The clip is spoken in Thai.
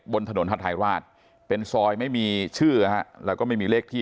บนถนนฮาทายราชเป็นซอยไม่มีชื่อแล้วก็ไม่มีเลขที่